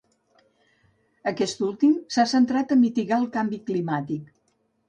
Aquest últim s'ha centrat a mitigar el canvi climàtic.